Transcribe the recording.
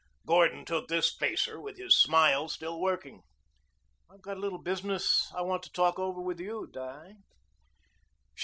Gordon took this facer with his smile still working. "I've got a little business I want to talk over with you, Di."